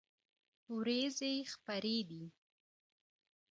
ورېځې خپری دي